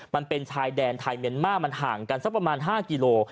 มันเป็นชายแดนไทยเมียนมาร์มันห่างกันสักประมาณ๕กิโล